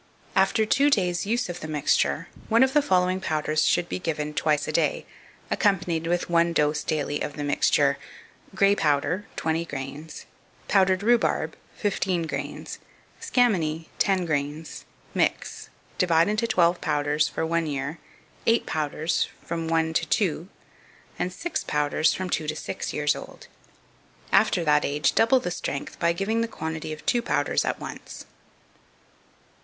After two days' use of the mixture, one of the following powders should be given twice a day, accompanied with one dose daily of the mixture: Grey powder 20 grains. Powdered rhubarb 15 grains. Scammony 10 grains. Mix. Divide into twelve powders, for one year; eight powders, from one to two; and six powders, from two to six years old. After that age, double the strength, by giving the quantity of two powders at once.